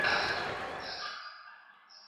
انسان تر نورو موجوداتو ډېر د درناوي وړ دی.